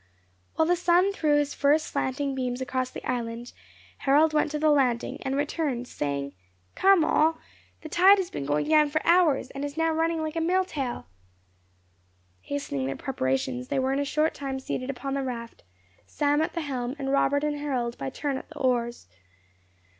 While the sun threw his first slanting beams across the island, Harold went to the landing, and returned, saying, "Come all. The tide has been going down for hours, and is now running like a mill tail!" Hastening their preparations, they were in a short time seated upon the raft, Sam at the helm, and Robert and Harold by turn at the oars.